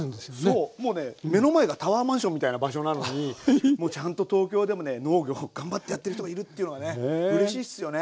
そうもうね目の前がタワーマンションみたいな場所なのにちゃんと東京でもね農業頑張ってやってる人がいるっていうのがねうれしいっすよね。